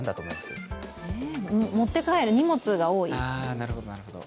持って帰る荷物が多い？